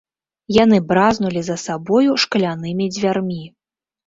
Яны бразнулі за сабою шклянымі дзвярмі.